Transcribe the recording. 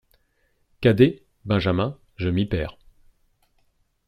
Cadet, benjamin, je m'y perds.